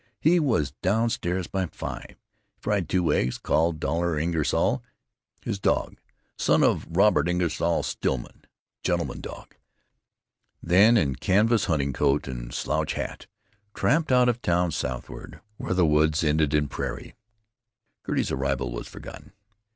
He was down stairs by five. He fried two eggs, called Dollar Ingersoll, his dog—son of Robert Ingersoll Stillman, gentleman dog—then, in canvas hunting coat and slouch hat, tramped out of town southward, where the woods ended in prairie. Gertie's arrival was forgotten.